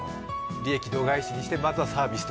利益度外視にしてまずはサービスと。